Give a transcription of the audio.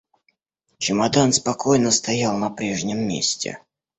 Чемодан спокойно стоял на прежнем месте.